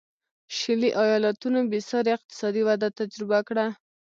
شلي ایالتونو بېسارې اقتصادي وده تجربه کړه.